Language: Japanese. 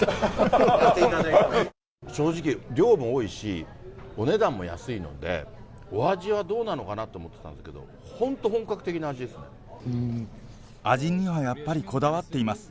正直、量も多いし、お値段も安いので、お味はどうなのかなと思ってたんですけど、味にはやっぱりこだわっています。